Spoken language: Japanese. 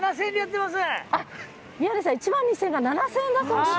宮根さん、１万２０００円が、７０００円だそうです。